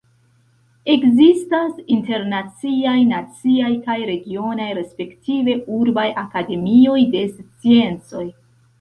Ekzistas internaciaj, naciaj kaj regionaj respektive urbaj Akademioj de Sciencoj.